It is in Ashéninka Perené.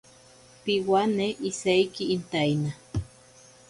Piwane isaiki intaina.